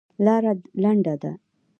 لاره لنډه ده.